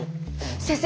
先生